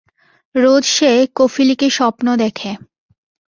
রোজ সে কফিলিকে স্বপ্ন দেখে।